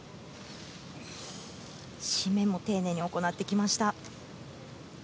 締めも丁寧に行ってきました。